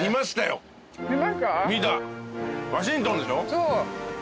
そう。